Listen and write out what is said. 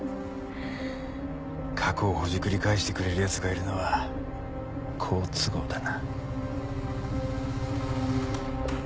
過去をほじくり返してくれる奴がいるのは好都合だな。